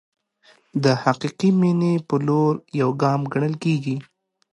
د حقیقي مینې په لور یو ګام ګڼل کېږي.